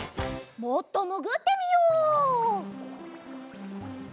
もっともぐってみよう。